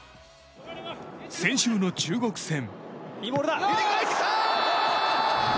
先週の中国戦。